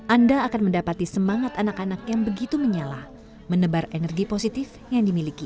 anda akan mendapati semangat anak anak yang begitu menyala menebar energi positif yang dimiliki